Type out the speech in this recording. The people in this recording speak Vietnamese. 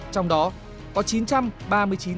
trong đó có chín trăm ba mươi chín tiến sĩ chiếm hai năm